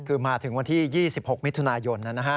คือมาถึงวันที่๒๖มิถุนายน